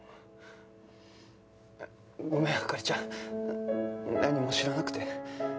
ごめん灯ちゃん何も知らなくて。